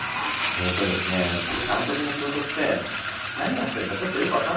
えっとですね監督の仕事って何やってるかちょっとよく分かんないと思うんですよ。